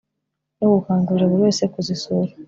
no gukangurira buri wese kuzisura